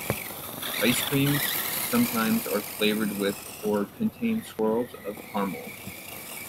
Ice creams sometimes are flavored with or contain swirls of caramel.